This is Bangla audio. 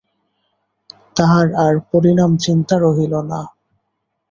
তাহার আর পরিণামচিন্তা রহিল না।